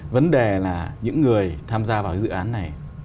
vấn đề là những người tham gia vào dự án này